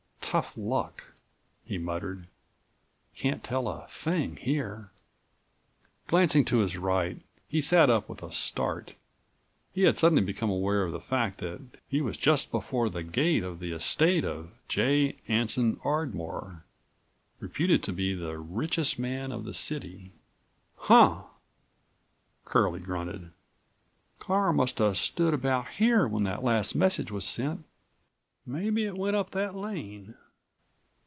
Tough luck!" he muttered. "Can't tell a thing here." Glancing to his right, he sat up with a start. He had suddenly become aware of the fact that he was just before the gate of the estate of J. Anson Ardmore, reputed to be the richest man of the city. "Huh!" Curlie grunted. "Car must have stood about here when that last message was sent. Maybe it went up that lane.